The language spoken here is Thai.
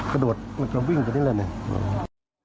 กระโดดมันก็วิ่งไปนี่แหละเนี่ย